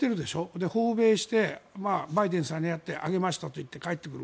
で、訪米して、バイデンさんに会いましたといって帰ってくる。